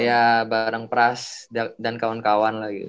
ya barang pras dan kawan kawan lagi